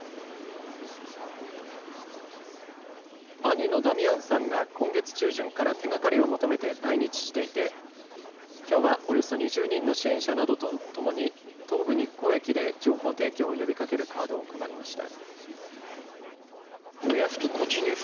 兄のダミアンさんが今月中旬から手がかりを求めて来日していてきょうはおよそ２０人の支援者などとともに東武日光駅で情報提供を呼びかけるカードを配りました。